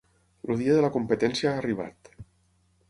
El dia de la competència ha arribat.